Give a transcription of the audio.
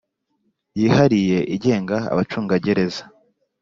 yihariye igenga abacungagereza